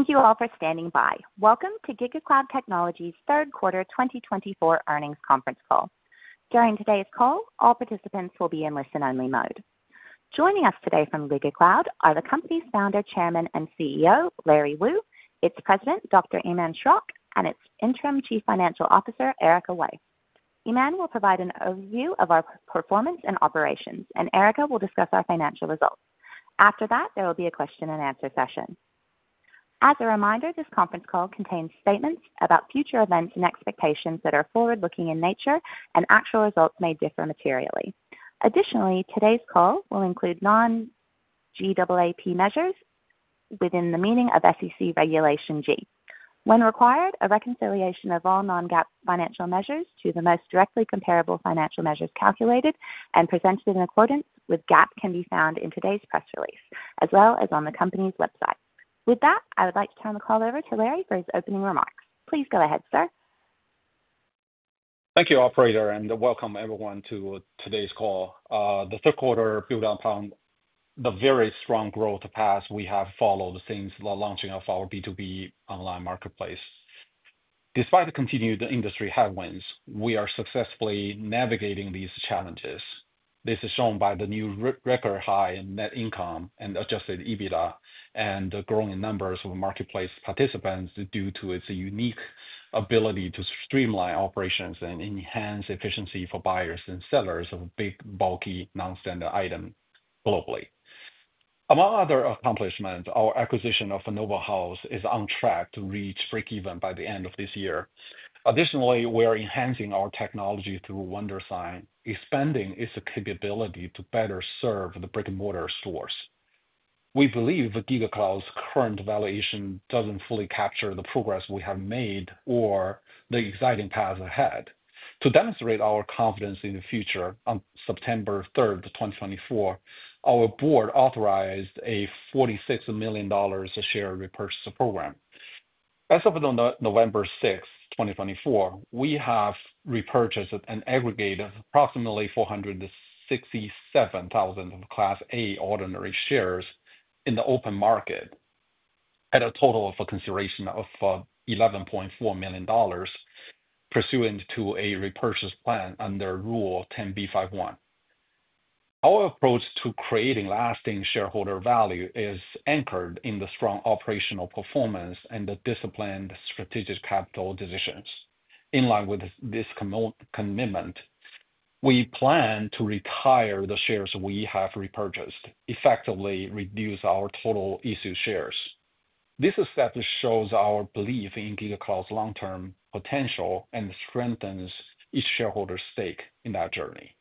Thank you all for standing by. Welcome to GigaCloud Technology's Q3 2024 earnings conference call. During today's call, all participants will be in listen-only mode. Joining us today from GigaCloud are the company's Founder, Chairman, and CEO, Larry Wu, its President, Dr. Iman Schrock, and its Interim Chief Financial Officer, Erica Wei. Iman will provide an overview of our performance and operations, and Erica will discuss our financial results. After that, there will be a question-and-answer session. As a reminder, this conference call contains statements about future events and expectations that are forward-looking in nature, and actual results may differ materially. Additionally, today's call will include non-GAAP measures within the meaning of SEC Regulation G. When required, a reconciliation of all non-GAAP financial measures to the most directly comparable financial measures calculated and presented in accordance with GAAP can be found in today's press release, as well as on the company's website. With that, I would like to turn the call over to Larry for his opening remarks. Please go ahead, sir. Thank you, Operator, and welcome everyone to today's call. The Q3 built upon the very strong growth path we have followed since the launching of our B2B online marketplace. Despite the continued industry headwinds, we are successfully navigating these challenges. This is shown by the new record high in net income and Adjusted EBITDA, and the growing numbers of marketplace participants due to its unique ability to streamline operations and enhance efficiency for buyers and sellers of big, bulky, non-standard items globally. Among other accomplishments, our acquisition of Noble House Home Furnishings is on track to reach break-even by the end of this year. Additionally, we are enhancing our technology through Wondersign, expanding its capability to better serve the brick-and-mortar stores. We believe GigaCloud's current valuation doesn't fully capture the progress we have made or the exciting path ahead. To demonstrate our confidence in the future, on September 3, 2024, our board authorized a $46 million share repurchase program. As of November 6, 2024, we have repurchased and aggregated approximately 467,000 Class A ordinary shares in the open market at a total of a consideration of $11.4 million, pursuant to a repurchase plan under Rule 10b5-1. Our approach to creating lasting shareholder value is anchored in the strong operational performance and the disciplined strategic capital decisions. In line with this commitment, we plan to retire the shares we have repurchased, effectively reducing our total issued shares. This step shows our belief in GigaCloud's long-term potential and strengthens each shareholder's stake in that journey.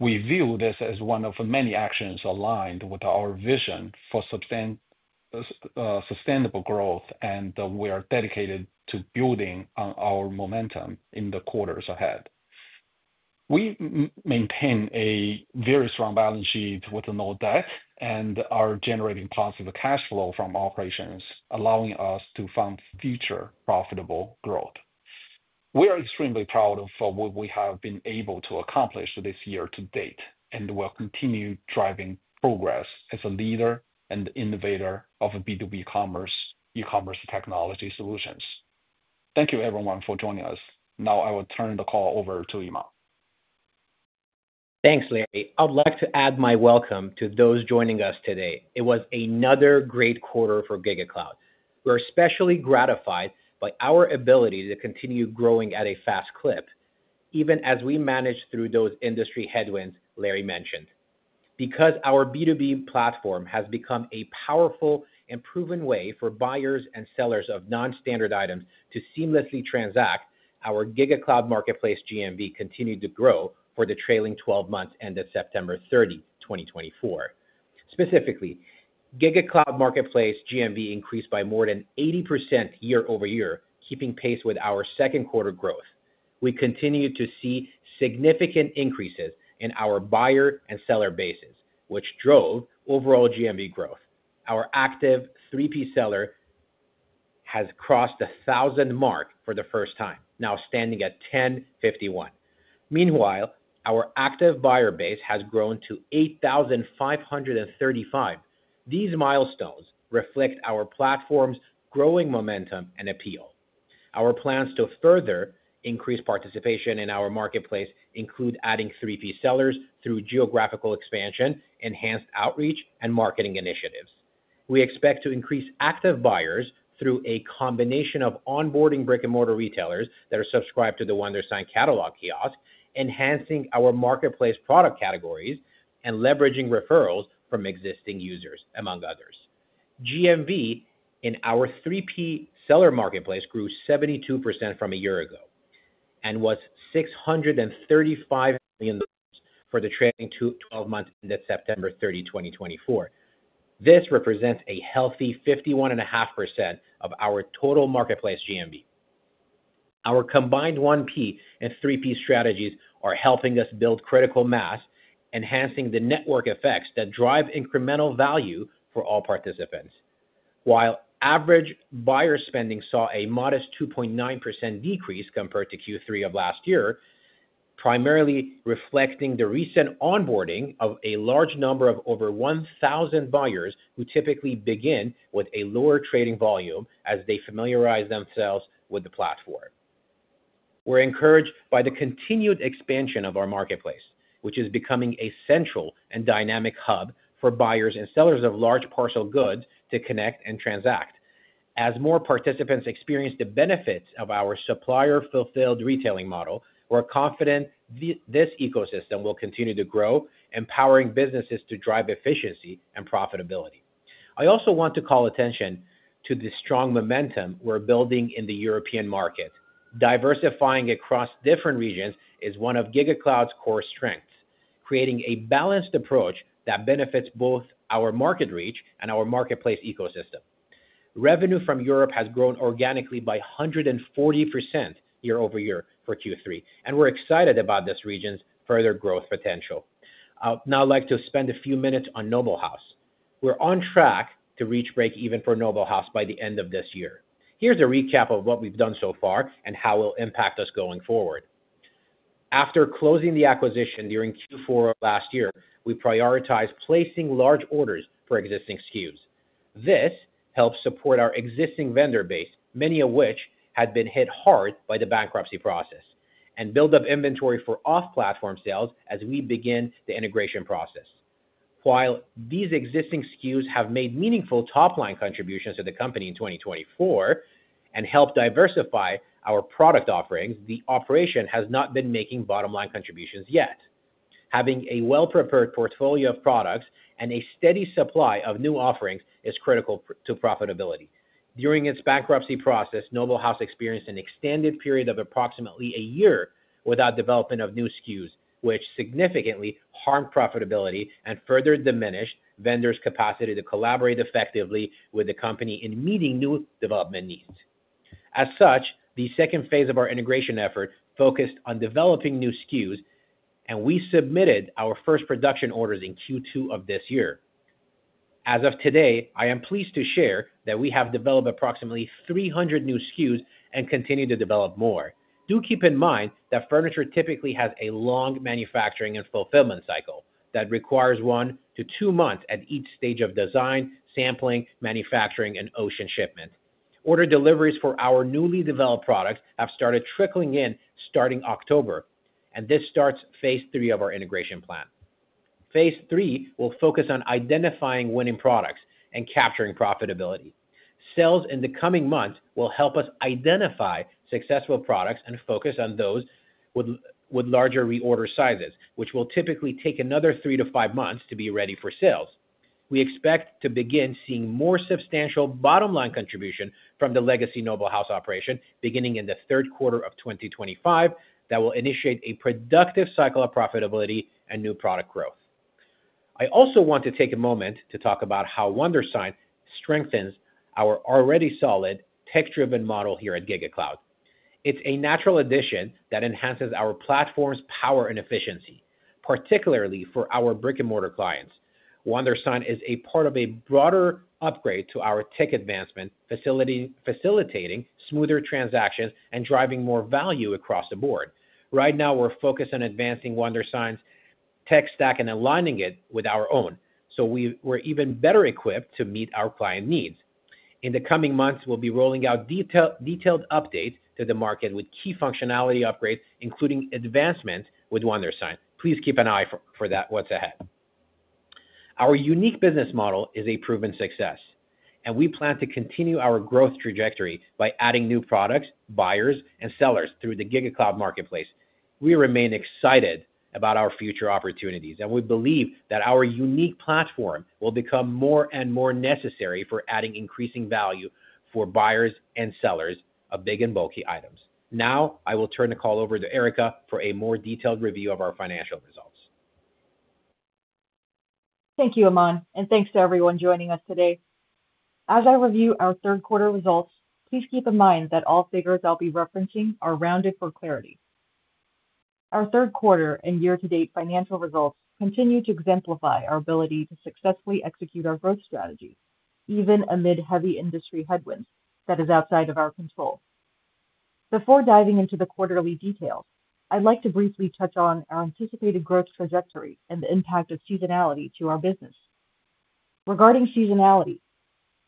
We view this as one of many actions aligned with our vision for sustainable growth, and we are dedicated to building on our momentum in the quarters ahead. We maintain a very strong balance sheet with no debt and are generating positive cash flow from operations, allowing us to fund future profitable growth. We are extremely proud of what we have been able to accomplish this year to date, and we'll continue driving progress as a leader and innovator of B2B e-commerce technology solutions. Thank you, everyone, for joining us. Now, I will turn the call over to Iman. Thanks, Larry. I'd like to add my welcome to those joining us today. It was another great quarter for GigaCloud. We're especially gratified by our ability to continue growing at a fast clip, even as we managed through those industry headwinds Larry mentioned. Because our B2B platform has become a powerful and proven way for buyers and sellers of non-standard items to seamlessly transact, our GigaCloud Marketplace GMV continued to grow for the trailing 12 months ended September 30, 2024. Specifically, GigaCloud Marketplace GMV increased by more than 80% year over year, keeping pace with our Q2 growth. We continued to see significant increases in our buyer and seller bases, which drove overall GMV growth. Our active 3P seller has crossed the 1,000 mark for the first time, now standing at 1,051. Meanwhile, our active buyer base has grown to 8,535. These milestones reflect our platform's growing momentum and appeal. Our plans to further increase participation in our marketplace include adding 3P sellers through geographical expansion, enhanced outreach, and marketing initiatives. We expect to increase active buyers through a combination of onboarding brick-and-mortar retailers that are subscribed to the Wondersign Catalog Kiosk, enhancing our marketplace product categories, and leveraging referrals from existing users, among others. GMV in our 3P seller marketplace grew 72% from a year ago and was $635 million for the trailing 12 months ended September 30, 2024. This represents a healthy 51.5% of our total marketplace GMV. Our combined 1P and 3P strategies are helping us build critical mass, enhancing the network effects that drive incremental value for all participants. While average buyer spending saw a modest 2.9% decrease compared to Q3 of last year, primarily reflecting the recent onboarding of a large number of over 1,000 buyers who typically begin with a lower trading volume as they familiarize themselves with the platform. We're encouraged by the continued expansion of our marketplace, which is becoming a central and dynamic hub for buyers and sellers of large parcel goods to connect and transact. As more participants experience the benefits of our supplier-fulfilled retailing model, we're confident this ecosystem will continue to grow, empowering businesses to drive efficiency and profitability. I also want to call attention to the strong momentum we're building in the European market. Diversifying across different regions is one of GigaCloud's core strengths, creating a balanced approach that benefits both our market reach and our marketplace ecosystem. Revenue from Europe has grown organically by 140% year over year for Q3, and we're excited about this region's further growth potential. Now, I'd like to spend a few minutes on Noble House Home Furnishings. We're on track to reach break-even for Noble House Home Furnishings by the end of this year. Here's a recap of what we've done so far and how it will impact us going forward. After closing the acquisition during Q4 of last year, we prioritized placing large orders for existing SKUs. This helped support our existing vendor base, many of which had been hit hard by the bankruptcy process, and built up inventory for off-platform sales as we begin the integration process. While these existing SKUs have made meaningful top-line contributions to the company in 2024 and helped diversify our product offerings, the operation has not been making bottom-line contributions yet. Having a well-prepared portfolio of products and a steady supply of new offerings is critical to profitability. During its bankruptcy process, Noble House Home Furnishings experienced an extended period of approximately a year without development of new SKUs, which significantly harmed profitability and further diminished vendors' capacity to collaborate effectively with the company in meeting new development needs. As such, the second phase of our integration effort focused on developing new SKUs, and we submitted our first production orders in Q2 of this year. As of today, I am pleased to share that we have developed approximately 300 new SKUs and continue to develop more. Do keep in mind that furniture typically has a long manufacturing and fulfillment cycle that requires one to two months at each stage of design, sampling, manufacturing, and ocean shipment. Order deliveries for our newly developed products have started trickling in starting October, and this starts phase three of our integration plan. Phase three will focus on identifying winning products and capturing profitability. Sales in the coming months will help us identify successful products and focus on those with larger reorder sizes, which will typically take another three to five months to be ready for sales. We expect to begin seeing more substantial bottom-line contribution from the legacy Noble House Home Furnishings operation beginning in the Q3 of 2025 that will initiate a productive cycle of profitability and new product growth. I also want to take a moment to talk about how Wondersign strengthens our already solid tech-driven model here at GigaCloud. It's a natural addition that enhances our platform's power and efficiency, particularly for our brick-and-mortar clients. Wondersign is a part of a broader upgrade to our tech advancement, facilitating smoother transactions and driving more value across the board. Right now, we're focused on advancing Wondersign's tech stack and aligning it with our own, so we're even better equipped to meet our client needs. In the coming months, we'll be rolling out detailed updates to the market with key functionality upgrades, including advancements with Wondersign. Please keep an eye for what's ahead. Our unique business model is a proven success, and we plan to continue our growth trajectory by adding new products, buyers, and sellers through the GigaCloud Marketplace. We remain excited about our future opportunities, and we believe that our unique platform will become more and more necessary for adding increasing value for buyers and sellers of big and bulky items. Now, I will turn the call over to Erica for a more detailed review of our financial results. Thank you, Iman, and thanks to everyone joining us today. As I review our Q3 results, please keep in mind that all figures I'll be referencing are rounded for clarity. Our Q3 and year-to-date financial results continue to exemplify our ability to successfully execute our growth strategy, even amid heavy industry headwinds that are outside of our control. Before diving into the quarterly details, I'd like to briefly touch on our anticipated growth trajectory and the impact of seasonality to our business. Regarding seasonality,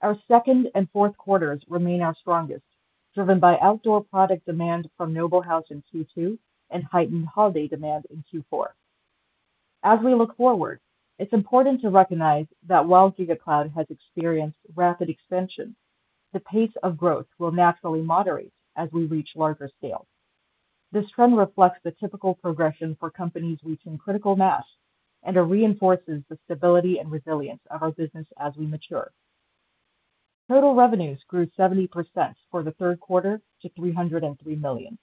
our Q2 and Q4s remain our strongest, driven by outdoor product demand from Noble House Home Furnishings in Q2 and heightened holiday demand in Q4. As we look forward, it's important to recognize that while GigaCloud has experienced rapid expansion, the pace of growth will naturally moderate as we reach larger scale. This trend reflects the typical progression for companies reaching critical mass and reinforces the stability and resilience of our business as we mature. Total revenues grew 70% for the Q3 to $303 million.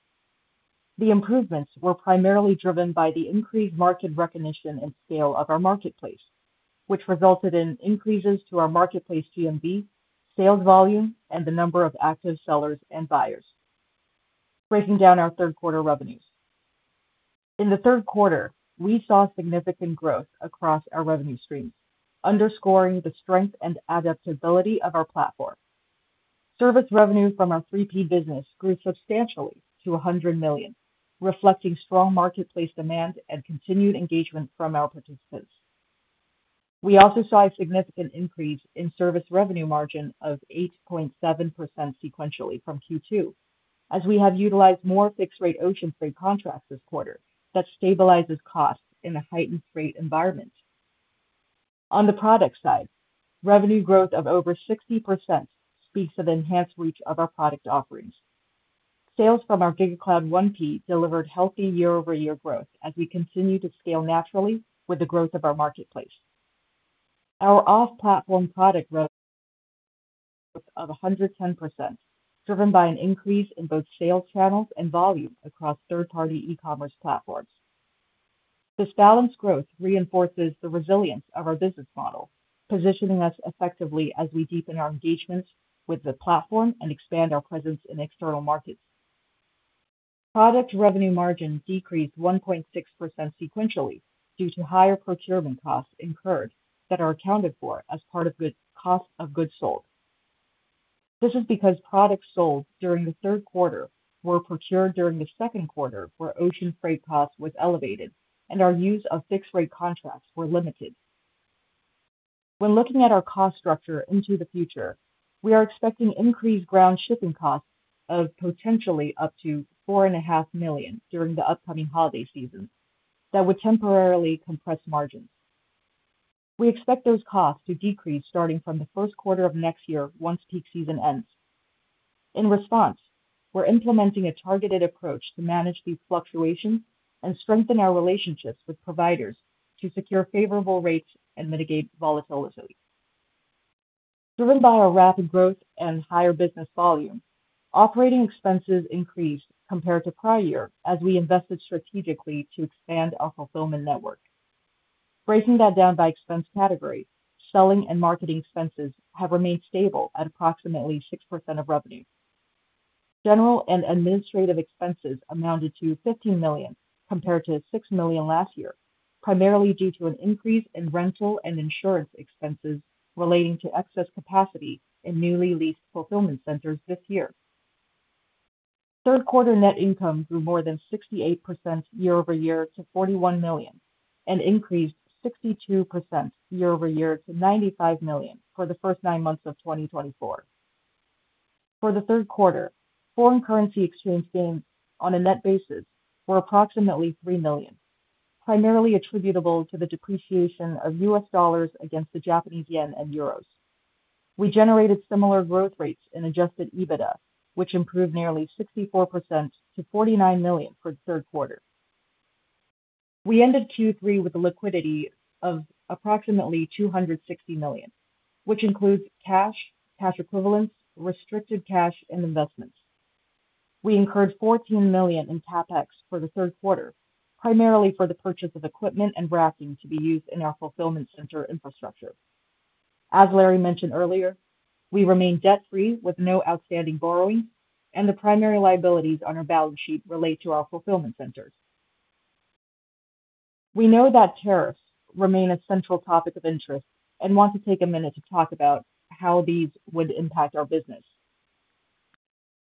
The improvements were primarily driven by the increased market recognition and scale of our marketplace, which resulted in increases to our marketplace GMV, sales volume, and the number of active sellers and buyers. Breaking down our Q3 revenues, in the Q3, we saw significant growth across our revenue streams, underscoring the strength and adaptability of our platform. Service revenue from our 3P business grew substantially to $100 million, reflecting strong marketplace demand and continued engagement from our participants. We also saw a significant increase in service revenue margin of 8.7% sequentially from Q2, as we have utilized more fixed-rate ocean freight contracts this quarter that stabilizes costs in a heightened freight environment. On the product side, revenue growth of over 60% speaks of enhanced reach of our product offerings. Sales from our GigaCloud 1P delivered healthy year-over-year growth as we continue to scale naturally with the growth of our marketplace. Our off-platform product growth of 110%, driven by an increase in both sales channels and volume across third-party e-commerce platforms. This balanced growth reinforces the resilience of our business model, positioning us effectively as we deepen our engagements with the platform and expand our presence in external markets. Product revenue margin decreased 1.6% sequentially due to higher procurement costs incurred that are accounted for as part of the cost of goods sold. This is because products sold during the Q3 were procured during the Q2 where ocean freight costs were elevated and our use of fixed-rate contracts was limited. When looking at our cost structure into the future, we are expecting increased ground shipping costs of potentially up to $4.5 million during the upcoming holiday season that would temporarily compress margins. We expect those costs to decrease starting from the Q1 of next year once peak season ends. In response, we're implementing a targeted approach to manage these fluctuations and strengthen our relationships with providers to secure favorable rates and mitigate volatility. Driven by our rapid growth and higher business volume, operating expenses increased compared to prior year as we invested strategically to expand our fulfillment network. Breaking that down by expense category, selling and marketing expenses have remained stable at approximately 6% of revenue. General and administrative expenses amounted to $15 million compared to $6 million last year, primarily due to an increase in rental and insurance expenses relating to excess capacity in newly leased fulfillment centers this year. Third quarter net income grew more than 68% year-over-year to $41 million and increased 62% year-over-year to $95 million for the first nine months of 2024. For the Q3, foreign currency exchange gains on a net basis were approximately $3 million, primarily attributable to the depreciation of U.S. dollars against the Japanese yen and euros. We generated similar growth rates in Adjusted EBITDA, which improved nearly 64% to $49 million for the Q3. We ended Q3 with a liquidity of approximately $260 million, which includes cash, cash equivalents, restricted cash, and investments. We incurred $14 million in CapEx for the Q3, primarily for the purchase of equipment and racking to be used in our fulfillment center infrastructure. As Larry mentioned earlier, we remain debt-free with no outstanding borrowing, and the primary liabilities on our balance sheet relate to our fulfillment centers. We know that tariffs remain a central topic of interest and want to take a minute to talk about how these would impact our business.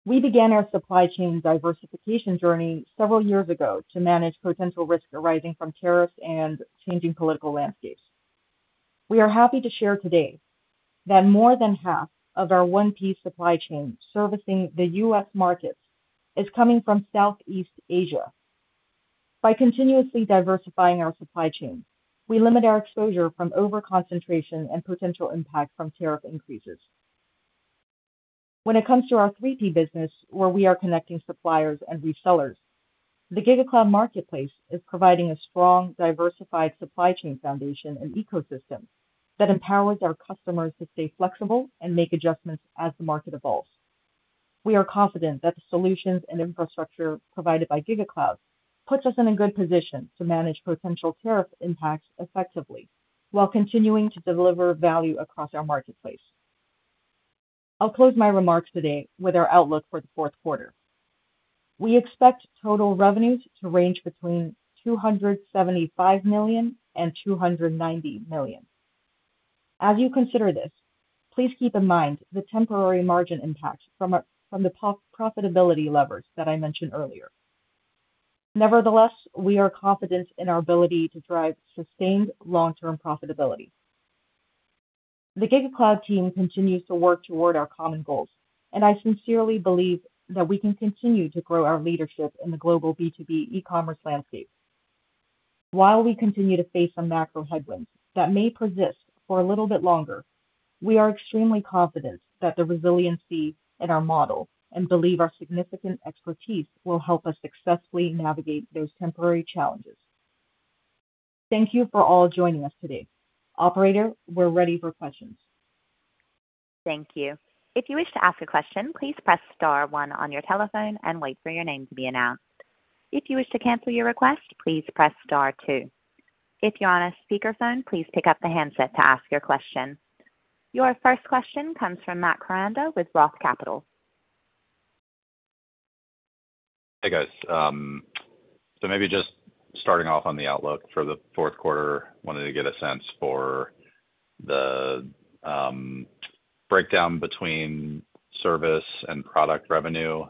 We began our supply chain diversification journey several years ago to manage potential risk arising from tariffs and changing political landscapes. We are happy to share today that more than half of our 1P supply chain servicing the U.S. markets is coming from Southeast Asia. By continuously diversifying our supply chain, we limit our exposure from overconcentration and potential impact from tariff increases. When it comes to our 3P business, where we are connecting suppliers and resellers, the GigaCloud Marketplace is providing a strong, diversified supply chain foundation and ecosystem that empowers our customers to stay flexible and make adjustments as the market evolves. We are confident that the solutions and infrastructure provided by GigaCloud puts us in a good position to manage potential tariff impacts effectively while continuing to deliver value across our marketplace. I'll close my remarks today with our outlook for the Q4. We expect total revenues to range between $275 million and $290 million. As you consider this, please keep in mind the temporary margin impacts from the profitability levers that I mentioned earlier. Nevertheless, we are confident in our ability to drive sustained long-term profitability. The GigaCloud team continues to work toward our common goals, and I sincerely believe that we can continue to grow our leadership in the global B2B e-commerce landscape. While we continue to face some macro headwinds that may persist for a little bit longer, we are extremely confident that the resiliency in our model and believe our significant expertise will help us successfully navigate those temporary challenges. Thank you for all joining us today. Operator, we're ready for questions. Thank you. If you wish to ask a question, please press star one on your telephone and wait for your name to be announced. If you wish to cancel your request, please press star two. If you're on a speakerphone, please pick up the handset to ask your question. Your first question comes from Matt Koranda with Roth Capital. Hey, guys. So maybe just starting off on the outlook for the Q4, I wanted to get a sense for the breakdown between service and product revenue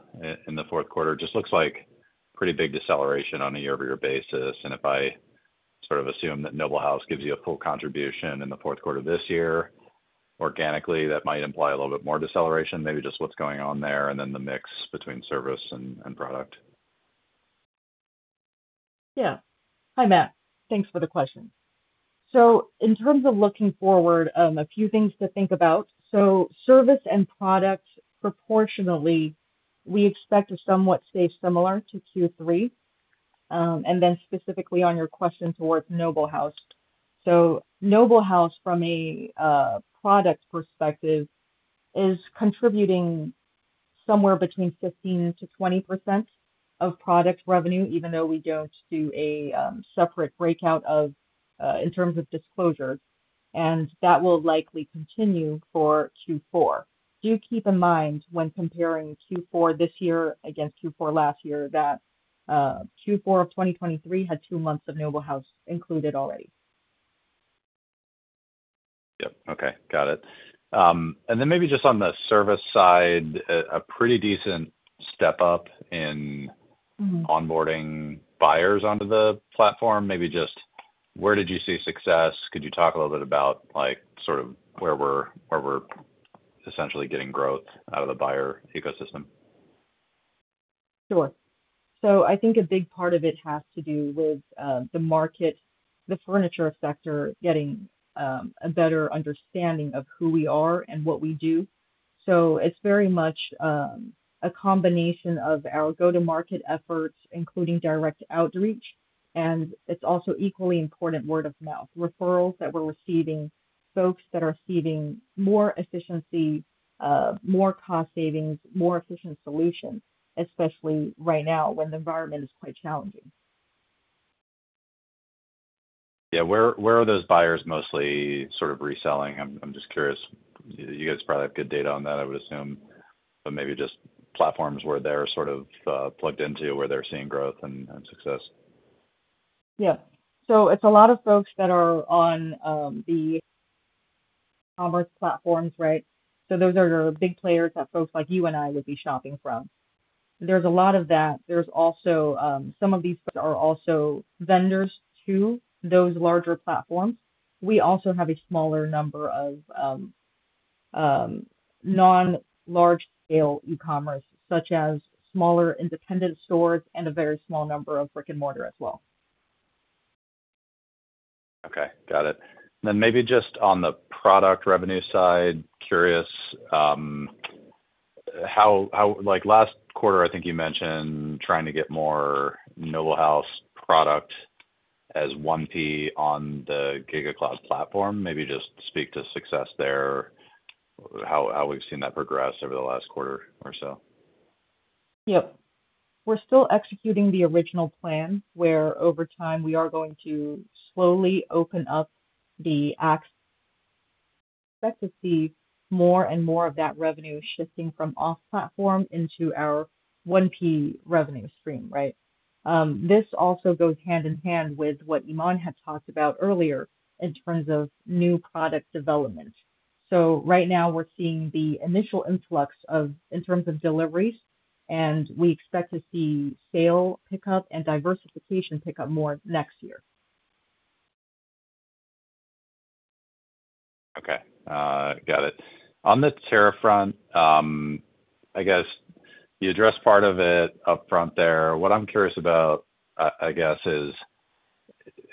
in the Q4. It just looks like pretty big deceleration on a year-over-year basis. If I sort of assume that Noble House gives you a full contribution in the Q4 of this year, organically, that might imply a little bit more deceleration, maybe just what's going on there and then the mix between service and product. Yeah. Hi, Matt. Thanks for the question. So in terms of looking forward, a few things to think about. So service and product, proportionally, we expect to somewhat stay similar to Q3 and then specifically on your question towards Noble House. So Noble House, from a product perspective, is contributing somewhere between 15-20% of product revenue, even though we don't do a separate breakout in terms of disclosure, and that will likely continue for Q4. Do keep in mind when comparing Q4 this year against Q4 last year that Q4 of 2023 had two months of Noble House included already. Yep. Okay. Got it. And then maybe just on the service side, a pretty decent step up in onboarding buyers onto the platform. Maybe just where did you see success? Could you talk a little bit about sort of where we're essentially getting growth out of the buyer ecosystem? Sure. So I think a big part of it has to do with the market, the furniture sector getting a better understanding of who we are and what we do. So it's very much a combination of our go-to-market efforts, including direct outreach, and it's also equally important word-of-mouth referrals that we're receiving, folks that are seeing more efficiency, more cost savings, more efficient solutions, especially right now when the environment is quite challenging. Yeah. Where are those buyers mostly sort of reselling? I'm just curious. You guys probably have good data on that, I would assume, but maybe just platforms where they're sort of plugged into where they're seeing growth and success. Yeah, so it's a lot of folks that are on the e-commerce platforms, right, so those are your big players that folks like you and I would be shopping from. There's a lot of that. There's also some of these folks are also vendors to those larger platforms. We also have a smaller number of non-large-scale e-commerce, such as smaller independent stores and a very small number of brick-and-mortar as well. Okay. Got it. And then maybe just on the product revenue side, curious how last quarter, I think you mentioned trying to get more Noble House product as 1P on the GigaCloud platform. Maybe just speak to success there, how we've seen that progress over the last quarter or so? Yep. We're still executing the original plan where over time we are going to slowly open up the access to see more and more of that revenue shifting from off-platform into our 1P revenue stream, right? This also goes hand in hand with what Iman had talked about earlier in terms of new product development. So right now, we're seeing the initial influx in terms of deliveries, and we expect to see sales pickup and diversification pickup more next year. Okay. Got it. On the tariff front, I guess you addressed part of it upfront there. What I'm curious about, I guess, is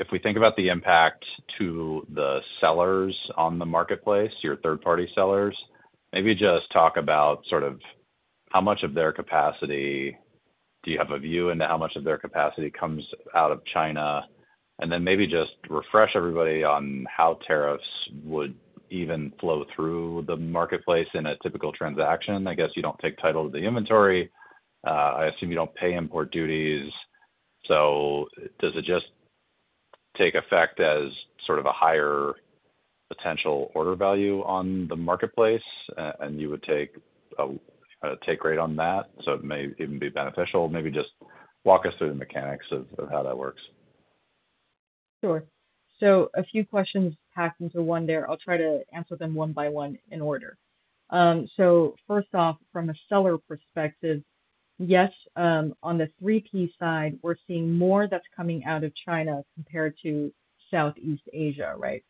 if we think about the impact to the sellers on the marketplace, your third-party sellers. Maybe just talk about sort of how much of their capacity do you have a view into how much of their capacity comes out of China? And then maybe just refresh everybody on how tariffs would even flow through the marketplace in a typical transaction. I guess you don't take title to the inventory. I assume you don't pay import duties. So does it just take effect as sort of a higher potential order value on the marketplace? And you would take a take rate on that? So it may even be beneficial. Maybe just walk us through the mechanics of how that works. Sure. So a few questions packed into one there. I'll try to answer them one by one in order. So first off, from a seller perspective, yes, on the 3P side, we're seeing more that's coming out of China compared to Southeast Asia, right?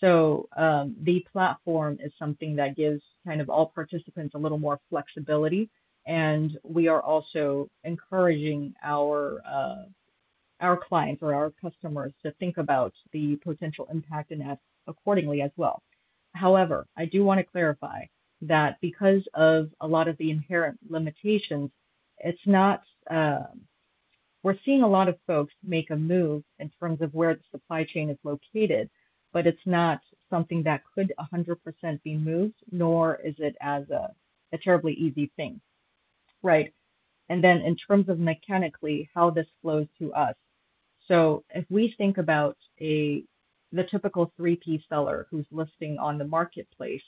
So the platform is something that gives kind of all participants a little more flexibility. And we are also encouraging our clients or our customers to think about the potential impact and act accordingly as well. However, I do want to clarify that because of a lot of the inherent limitations, we're seeing a lot of folks make a move in terms of where the supply chain is located, but it's not something that could 100% be moved, nor is it as a terribly easy thing, right? And then in terms of mechanically how this flows to us, so if we think about the typical 3P seller who's listing on the marketplace,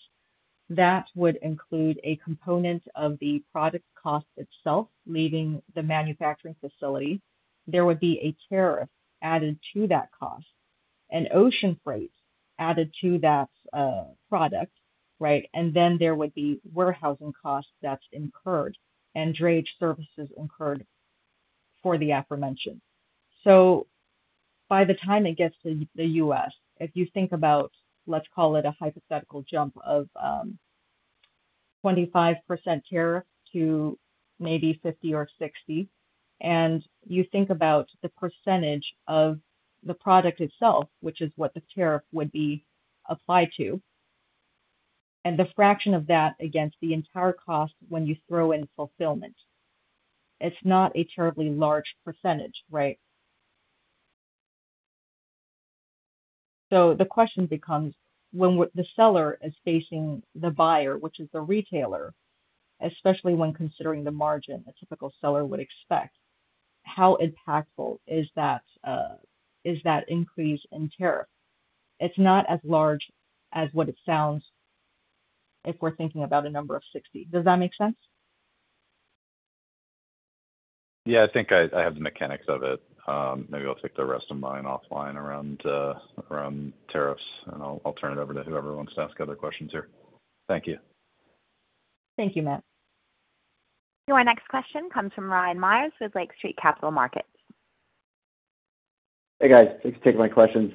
that would include a component of the product cost itself, leaving the manufacturing facility. There would be a tariff added to that cost, an ocean freight added to that product, right? And then there would be warehousing costs that's incurred and drayage services incurred for the aforementioned. So by the time it gets to the U.S., if you think about, let's call it a hypothetical jump of 25% tariff to maybe 50 or 60, and you think about the percentage of the product itself, which is what the tariff would be applied to, and the fraction of that against the entire cost when you throw in fulfillment, it's not a terribly large percentage, right? So the question becomes, when the seller is facing the buyer, which is the retailer, especially when considering the margin a typical seller would expect, how impactful is that increase in tariff? It's not as large as what it sounds if we're thinking about a number of 60. Does that make sense? Yeah. I think I have the mechanics of it. Maybe I'll take the rest of mine offline around tariffs, and I'll turn it over to whoever wants to ask other questions here. Thank you. Thank you, Matt. So our next question comes from Ryan Meyers with Lake Street Capital Markets. Hey, guys. Thanks for taking my questions.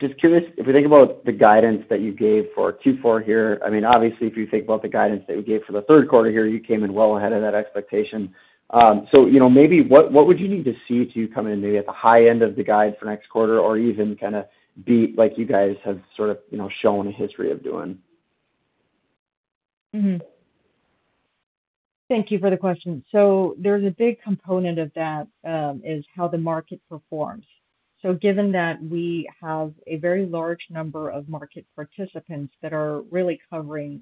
Just curious, if we think about the guidance that you gave for Q4 here, I mean, obviously, if you think about the guidance that we gave for the Q3 here, you came in well ahead of that expectation. So maybe what would you need to see to come in maybe at the high end of the guide for next quarter or even kind of beat like you guys have sort of shown a history of doing? Thank you for the question. There's a big component of that is how the market performs. Given that we have a very large number of market participants that are really covering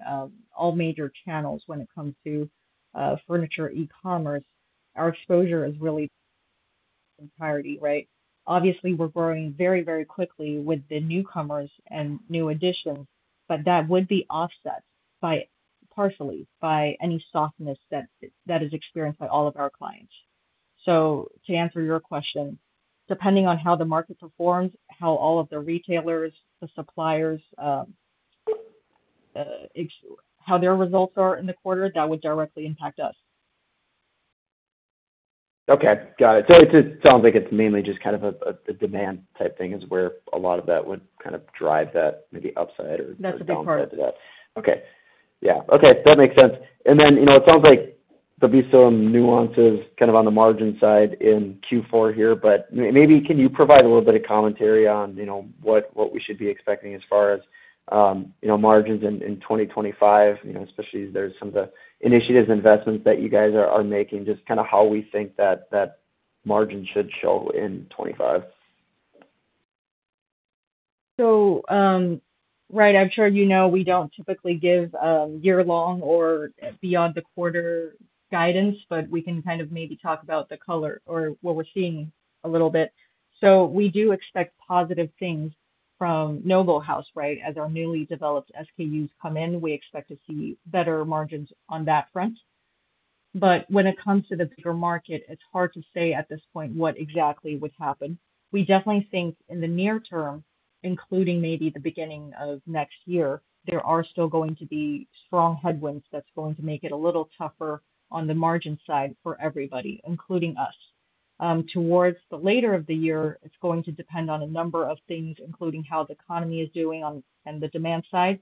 all major channels when it comes to furniture e-commerce, our exposure is really the entirety, right? Obviously, we're growing very, very quickly with the newcomers and new additions, but that would be offset partially by any softness that is experienced by all of our clients. To answer your question, depending on how the market performs, how all of the retailers, the suppliers, how their results are in the quarter, that would directly impact us. Okay. Got it. So it sounds like it's mainly just kind of a demand type thing is where a lot of that would kind of drive that maybe upside or something like that. That's a big part. Okay. Yeah. Okay. That makes sense. And then it sounds like there'll be some nuances kind of on the margin side in Q4 here, but maybe can you provide a little bit of commentary on what we should be expecting as far as margins in 2025, especially there's some of the initiatives and investments that you guys are making, just kind of how we think that margin should show in 2025? So, right, I'm sure you know we don't typically give year-long or beyond-the-quarter guidance, but we can kind of maybe talk about the color or what we're seeing a little bit. So we do expect positive things from Noble House Home Furnishings, right? As our newly developed SKUs come in, we expect to see better margins on that front. But when it comes to the bigger market, it's hard to say at this point what exactly would happen. We definitely think in the near term, including maybe the beginning of next year, there are still going to be strong headwinds that's going to make it a little tougher on the margin side for everybody, including us. Towards the later of the year, it's going to depend on a number of things, including how the economy is doing on the demand side,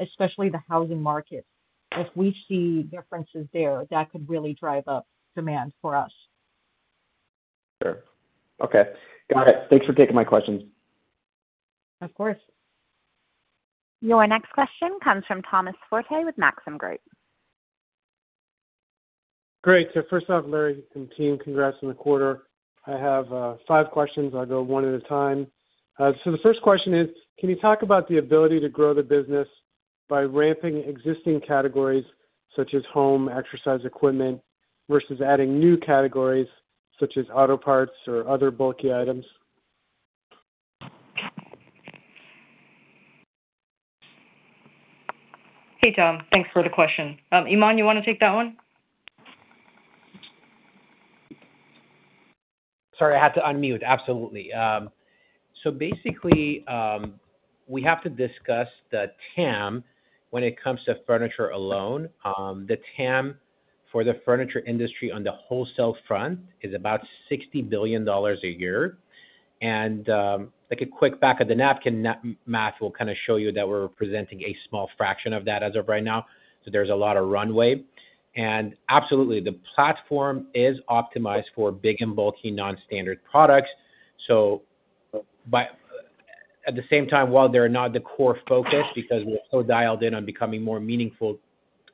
especially the housing market. If we see differences there, that could really drive up demand for us. Sure. Okay. Got it. Thanks for taking my questions. Of course. Your next question comes from Thomas Forte with Maxim Group. Great. So first off, Larry and team, congrats on the quarter. I have five questions. I'll go one at a time. So the first question is, can you talk about the ability to grow the business by ramping existing categories such as home exercise equipment versus adding new categories such as auto parts or other bulky items? Hey, Tom. Thanks for the question. Iman, you want to take that one? Sorry, I had to unmute. Absolutely. So basically, we have to discuss the TAM when it comes to furniture alone. The TAM for the furniture industry on the wholesale front is about $60 billion a year. And a quick back-of-the-napkin math will kind of show you that we're presenting a small fraction of that as of right now. So there's a lot of runway. And absolutely, the platform is optimized for big and bulky non-standard products. So at the same time, while they're not the core focus because we're so dialed in on becoming a more meaningful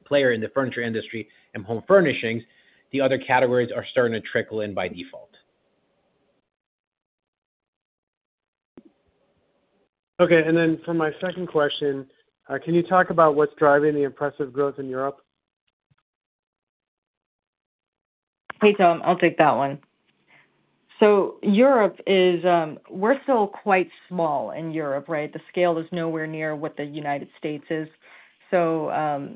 player in the furniture industry and home furnishings, the other categories are starting to trickle in by default. Okay. And then for my second question, can you talk about what's driving the impressive growth in Europe? Hey, Tom. I'll take that one. So we're still quite small in Europe, right? The scale is nowhere near what the United States is. So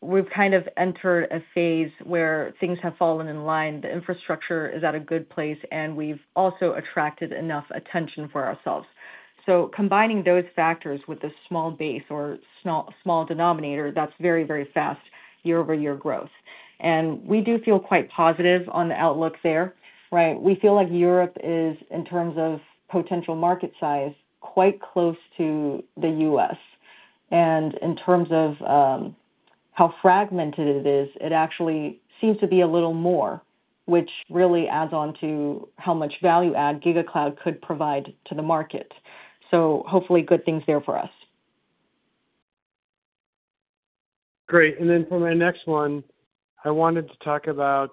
we've kind of entered a phase where things have fallen in line. The infrastructure is at a good place, and we've also attracted enough attention for ourselves. So combining those factors with a small base or small denominator, that's very, very fast year-over-year growth. And we do feel quite positive on the outlook there, right? We feel like Europe is, in terms of potential market size, quite close to the US. And in terms of how fragmented it is, it actually seems to be a little more, which really adds on to how much value-add GigaCloud could provide to the market. So hopefully, good things there for us. Great. And then for my next one, I wanted to talk about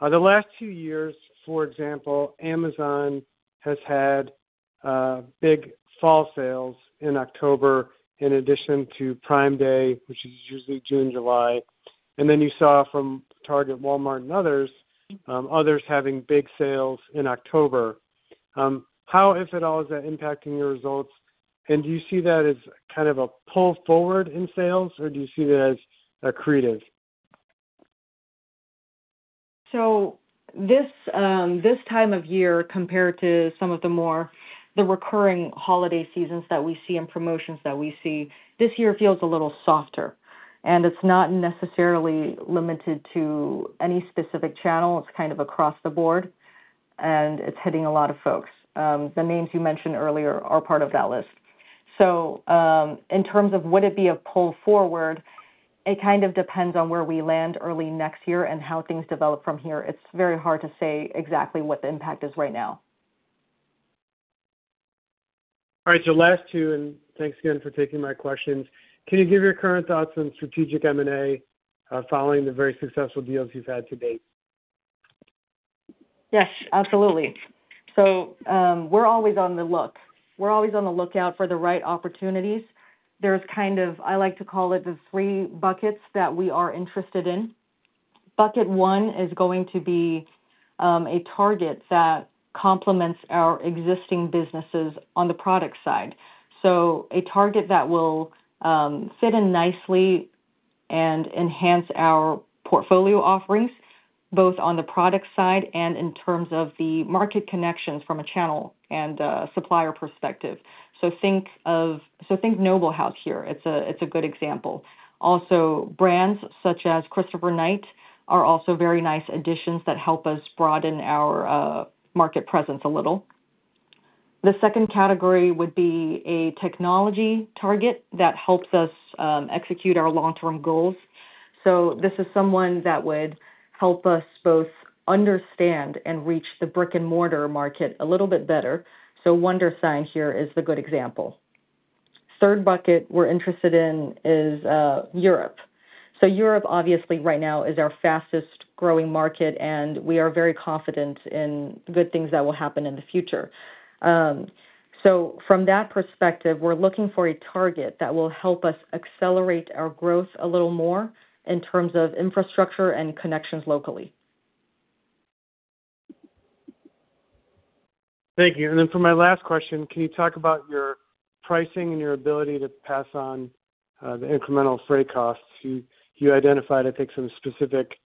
the last two years. For example, Amazon has had big fall sales in October in addition to Prime Day, which is usually June, July. And then you saw from Target, Walmart, and others having big sales in October. How, if at all, is that impacting your results? And do you see that as kind of a pull forward in sales, or do you see that as accretive? So this time of year, compared to some of the more recurring holiday seasons that we see and promotions that we see, this year feels a little softer. And it's not necessarily limited to any specific channel. It's kind of across the board, and it's hitting a lot of folks. The names you mentioned earlier are part of that list. So in terms of would it be a pull forward, it kind of depends on where we land early next year and how things develop from here. It's very hard to say exactly what the impact is right now. All right. So last two, and thanks again for taking my questions. Can you give your current thoughts on strategic M&A following the very successful deals you've had to date? Yes, absolutely. So we're always on the lookout for the right opportunities. There's kind of, I like to call it, the three buckets that we are interested in. Bucket one is going to be a target that complements our existing businesses on the product side. So a target that will fit in nicely and enhance our portfolio offerings both on the product side and in terms of the market connections from a channel and supplier perspective. So think Noble House here. It's a good example. Also, brands such as Christopher Knight are also very nice additions that help us broaden our market presence a little. The second category would be a technology target that helps us execute our long-term goals. So this is someone that would help us both understand and reach the brick-and-mortar market a little bit better. So Wondersign here is a good example. Third bucket we're interested in is Europe. So Europe, obviously, right now is our fastest-growing market, and we are very confident in good things that will happen in the future. So from that perspective, we're looking for a target that will help us accelerate our growth a little more in terms of infrastructure and connections locally. Thank you. And then for my last question, can you talk about your pricing and your ability to pass on the incremental freight costs? You identified, I think, some specific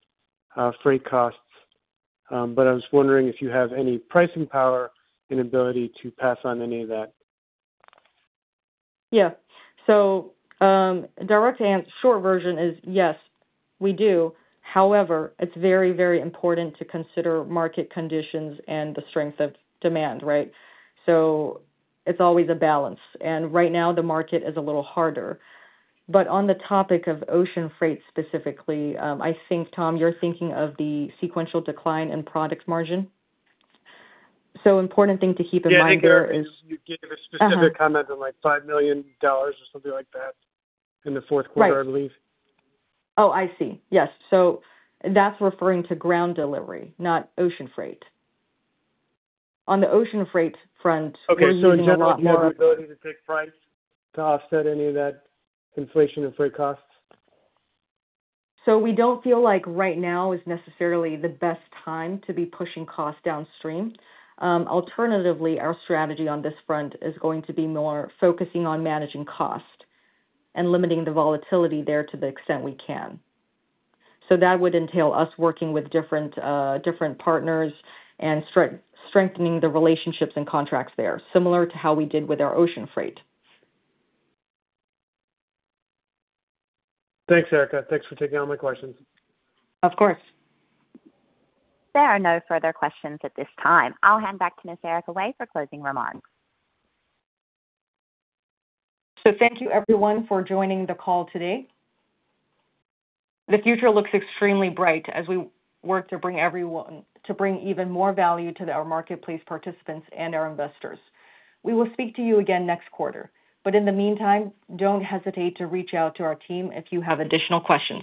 freight costs, but I was wondering if you have any pricing power and ability to pass on any of that. Yeah. So the direct and short version is yes, we do. However, it's very, very important to consider market conditions and the strength of demand, right? So it's always a balance, and right now, the market is a little harder, but on the topic of ocean freight specifically, I think, Tom, you're thinking of the sequential decline in product margin. So important thing to keep in mind here is. I think you gave a specific comment on like $5 million or something like that in the Q4, I believe. Oh, I see. Yes. So that's referring to ground delivery, not ocean freight. On the ocean freight front, we're using a lot more. Okay. So in general, your ability to take price to offset any of that inflation and freight costs? So we don't feel like right now is necessarily the best time to be pushing costs downstream. Alternatively, our strategy on this front is going to be more focusing on managing cost and limiting the volatility there to the extent we can. So that would entail us working with different partners and strengthening the relationships and contracts there, similar to how we did with our ocean freight. Thanks, Erica. Thanks for taking all my questions. Of course. There are no further questions at this time. I'll hand back to Ms. Erica Wei for closing remarks. Thank you, everyone, for joining the call today. The future looks extremely bright as we work to bring even more value to our marketplace participants and our investors. We will speak to you again next quarter. In the meantime, don't hesitate to reach out to our team if you have additional questions.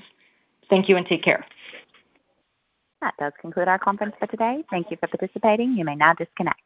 Thank you and take care. That does conclude our conference for today. Thank you for participating. You may now disconnect.